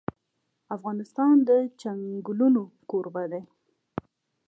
افغانستان د چنګلونه کوربه دی.